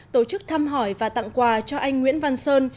tổ chức thăm hỏi và tặng quà cho anh nguyễn văn sơn